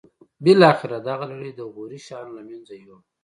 بالاخره دغه لړۍ د غوري شاهانو له منځه یوړه.